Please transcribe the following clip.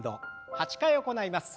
８回行います。